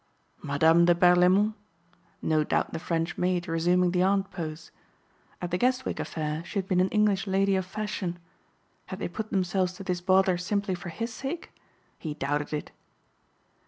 Madame de Berlaymont! No doubt the French maid resuming the aunt pose. At the Guestwick affair she had been an English lady of fashion. Had they put themselves to this bother simply for his sake? He doubted it.